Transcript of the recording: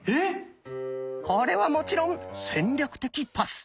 これはもちろん戦略的パス。